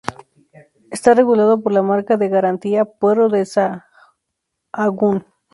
Está regulado por la Marca de Garantía Puerro de Sahagún.